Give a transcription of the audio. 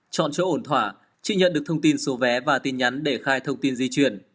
chọn chỗ ổn thỏa chị nhận được thông tin số vé và tin nhắn để khai thông tin di chuyển